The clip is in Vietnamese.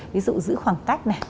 ví dụ giữ khoảng cách này